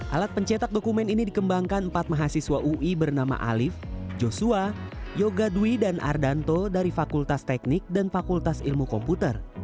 alat pencetak dokumen ini dikembangkan empat mahasiswa ui bernama alif joshua yoga dwi dan ardanto dari fakultas teknik dan fakultas ilmu komputer